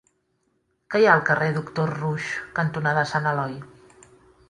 Què hi ha al carrer Doctor Roux cantonada Sant Eloi?